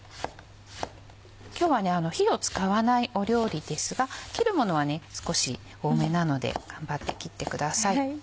今日は火を使わない料理ですが切るものは少し多めなので頑張って切ってください。